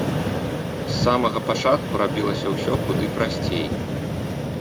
З самага пачатку рабілася ўсё куды прасцей.